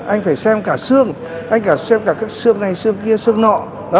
anh phải xem cả xương anh phải xem cả các xương này xương kia xương nọ